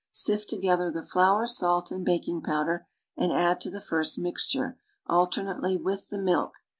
Sift together th« flour salt and baking powder and add to the first mixture, alternately, with the milk.